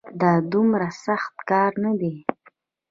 دا دومره سخت کار نه دی